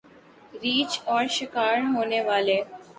ریچھ اور شکار ہونے والے